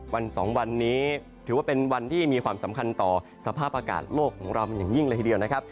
วันสองวันนี้ถือว่าเป็นวันที่มีความสำคัญต่อสภาพอากาศโลกของเรามันอย่างยิ่งเลยทีเดียวนะครับ